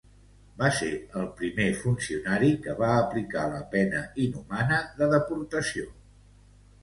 Va ser el primer funcionari que va aplicar la pena inhumana de deportació.